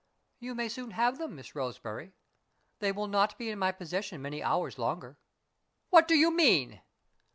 "You may soon have them, Miss Roseberry. They will not be in my possession many hours longer." "What do you mean?"